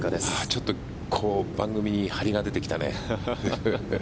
ちょっと番組に張りが出てきたね。